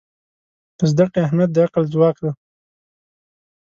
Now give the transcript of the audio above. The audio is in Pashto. د زده کړې اهمیت د عقل ځواک دی.